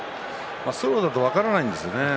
スローだと分からないんですね。